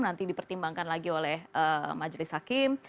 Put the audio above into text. nanti dipertimbangkan lagi oleh majelis hakim